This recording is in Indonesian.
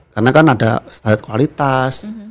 karena kan ada standard kualitas